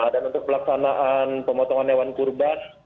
dan untuk pelaksanaan pemotongan hewan kurban